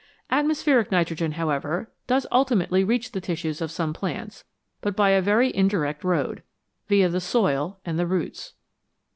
Atmospheric nitrogen, however, does ultimately reach the tissues of some plants, but by a very indirect road, via the soil and the roots.